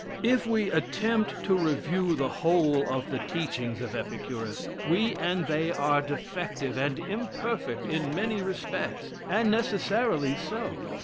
If we attempt to review the whole of the teachings of Epicurus, we and they are defective and imperfect in many respects, and necessarily so.